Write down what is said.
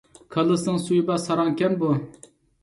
كاللىسىنىڭ سۈيى بار ساراڭكەن بۇ!